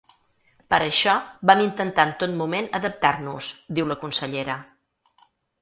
Per això, vam intentar en tot moment adaptar-nos, diu la consellera.